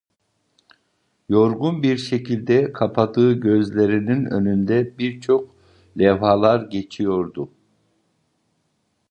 Yorgun bir şekilde kapadığı gözlerinin önünden birçok levhalar geçiyordu.